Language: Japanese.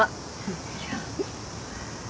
いや。